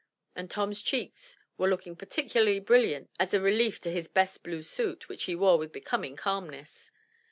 and Tom's cheeks were looking particularly brilliant as a relief to his best blue suit which he wore with becoming calmness.